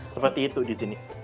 seperti itu disini